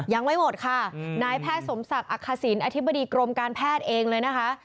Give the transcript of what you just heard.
ยังไม่หมดค่ะนายแพทย์สมศักดิ์อักษิณอธิบดีกรมการแพทย์เองเลยนะคะ